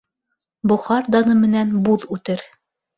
Бохар даны менән буҙ үтер